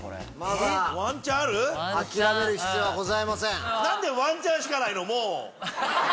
えっ⁉諦める必要はございません。